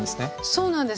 そうなんです